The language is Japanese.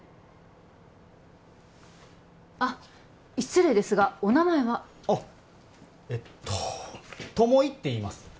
あっ失礼ですがお名前は？あっえっと友井っていいます